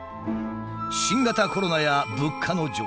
新型コロナや物価の上昇。